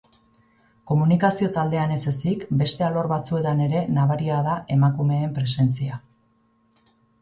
Komunikazio taldean ez ezik, beste alor batzuetan ere nabaria da emakumeen presentzia.